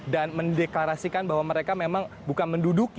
dan mendeklarasikan bahwa mereka memang bukan menduduki